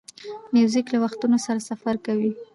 موزیک له وختونو سره سفر کوي.